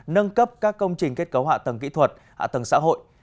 nâng cấp các công trình kết cấu hạ tầng kỹ thuật hạ tầng xã hội